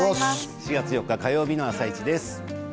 ４月４日火曜日の「あさイチ」です。